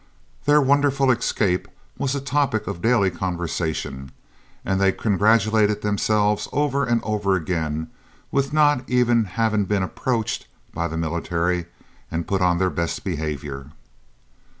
Their wonderful "escape" was a topic of daily conversation, and they congratulated themselves over and over again with not even having been approached by the military and put on their best behaviour.